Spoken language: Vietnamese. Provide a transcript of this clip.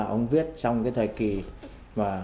ông viết trong cái thời kỳ mà